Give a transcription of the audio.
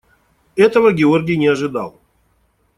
Этого Георгий не ожидал.